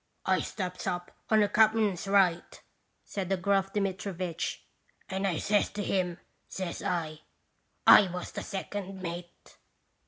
" I steps up on the cap'n's right," said the gruff Dmitrivitch, "and I says to him, says I :"* I was the second mate.